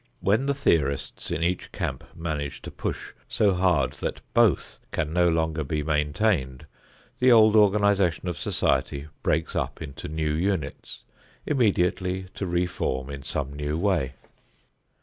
When the theorists in each camp manage to push so hard that both can no longer be maintained, the old organization of society breaks up into new units, immediately to re form in some new way.